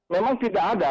memang tidak ada